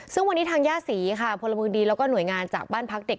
ซึ่งวันนี้ทางย่าศรีพลมดีและหน่วยงานจากบ้านพักเด็ก